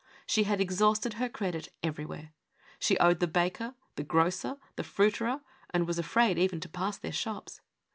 She had exhausted her credit everywhere. She owed the baker, the grocer, the fruiterer, and was afraid even to pass their shops.